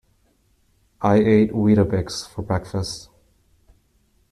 I ate wheatabix for breakfast.